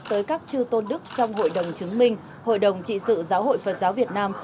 tới các chư tôn đức trong hội đồng chứng minh hội đồng trị sự giáo hội phật giáo việt nam